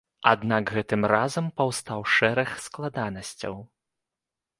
Аднак гэтым разам паўстаў шэраг складанасцяў.